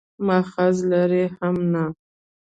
مأخذ لري هم نه.